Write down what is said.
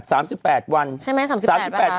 ใช่ไหม๓๘วันอ่ะคะ